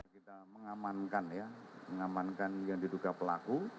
kita mengamankan ya mengamankan yang diduga pelaku